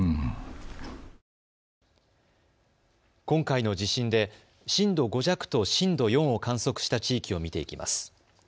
今回の地震で震度５弱と震度４を観測した地域を見ていきます。